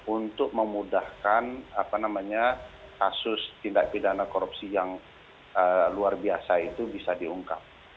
untuk memudahkan kasus tindak pidana korupsi yang luar biasa itu bisa diungkap